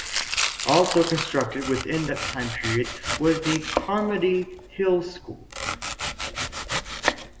Also constructed within that time period was the Carmody Hills School.